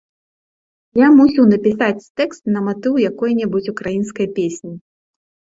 Я мусіў напісаць тэкст на матыў якой-небудзь украінскай песні.